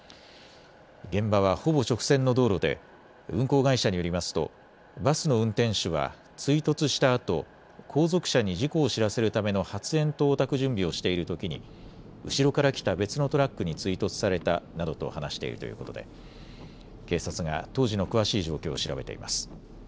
現場は、ほぼ直線の道路で運行会社によりますとバスの運転手は追突したあと後続車に事故を知らせるための発炎筒をたく準備をしているときに後ろから来た別のトラックに追突されたなどと話しているということで警察が当時の詳しい状況を調べています。